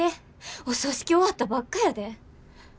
お葬式終わったばっかやで。